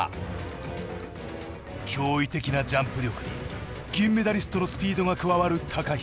驚異的なジャンプ力に銀メダリストのスピードが加わる平。